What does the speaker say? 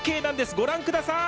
ご覧ください。